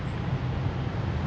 yang berkelanjutan dengan keuntungan